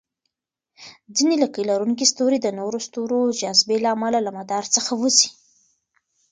ځینې لکۍ لرونکي ستوري د نورو ستورو جاذبې له امله له مدار څخه ووځي.